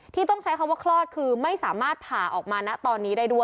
ที่ต้องใช้คำว่าคลอดคือไม่สามารถผ่าออกมานะตอนนี้ได้ด้วย